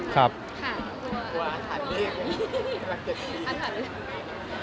ครับผม